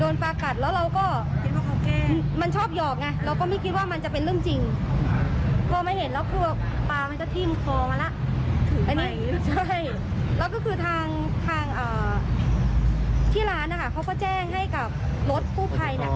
รถผู้ภัยเขามาแล้วก็นายโยคเขาก็มาดู